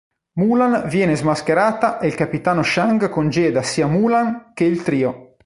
Mulan viene smascherata e il capitano Shang congeda sia Mulan che il trio.